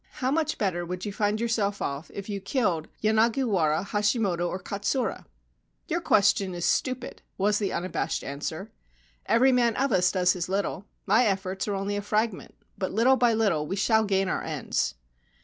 * How much better would you find yourself off if you killed Yanagiwara, Hashimoto, or Katsura ?'' Your question is stupid,' was the unabashed answer. ' Every man of us does his little. My efforts are only a fragment ; but little by little we shall gain our ends.'